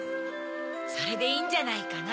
それでいいんじゃないかな？